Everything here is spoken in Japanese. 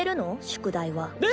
宿題は。え！